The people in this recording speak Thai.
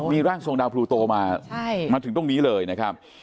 มีร่างทรงดาวพลูโตมามาถึงตรงนี้เลยนะครับ